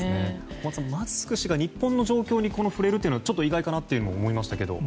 小松さん、マスク氏が日本の状況に触れるのはちょっと意外かなとも思いましたけど。